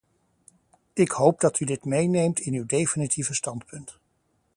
Ik hoop dat u dit meeneemt in uw definitieve standpunt.